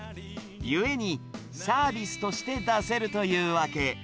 ゆえに、サービスとして出せるというわけ。